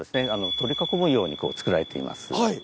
取り囲むように造られています。